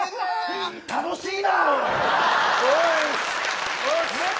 楽しいな。